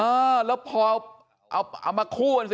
เออแล้วพอเอามาคู่กันสิ